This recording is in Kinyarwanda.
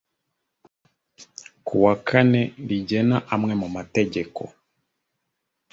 kuwwa kane rigena amwe mu mateka.